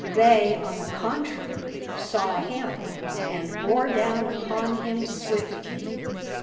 They, on the contrary, saw him, and bore down upon him swiftly.